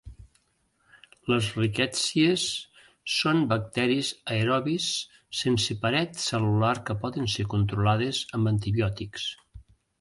Les rickèttsies són bacteris aerobis sense paret cel·lular que poden ser controlades amb antibiòtics.